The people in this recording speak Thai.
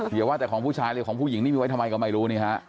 อย่าว่าแต่ของผู้ชายเลยของผู้หญิงนี่มีไว้ทำไมก็ไม่รู้นี่ฮะ